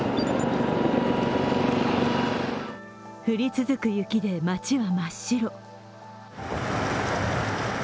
降り続く雪で町は真っ白。